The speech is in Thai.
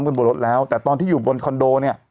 บนรถแล้วแต่ตอนที่อยู่บนคอนโดเนี่ย